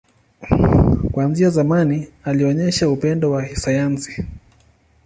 Kuanzia zamani, alionyesha upendo wa sayansi.